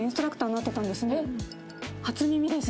初耳です。